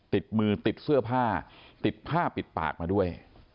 ติดมือติดเสื้อผ้าติดผ้าปิดปากมาด้วย